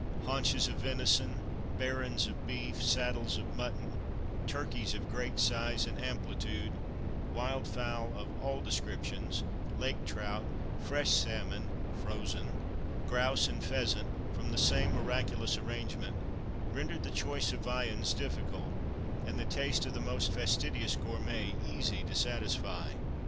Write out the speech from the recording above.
Haunches of venison, barons of beef, saddles of mutton, turkeys of great size and amplitude, wild fowl of all descriptions, lake trout, fresh salmon (frozen), grouse and pheasant, from the same miraculous arrangement, rendered the choice of viands difficult, and the taste of the most fastidious "gourmet," easy to satisfy.